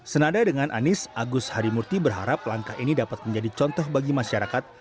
senada dengan anies agus harimurti berharap langkah ini dapat menjadi contoh bagi masyarakat